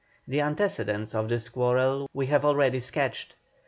The antecedents of this quarrel we have already sketched.